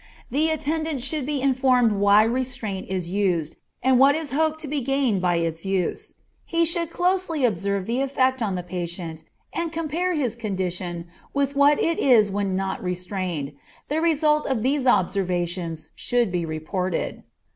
The attendant should be informed why restraint is used, and what is hoped to be gained by its use. He should closely observe the effect upon the patient and compare his condition with what it is when not restrained. The result of these observations should be reported.